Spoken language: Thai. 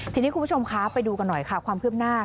ทีนี้คุณผู้ชมคะไปดูกันหน่อยค่ะความคืบหน้า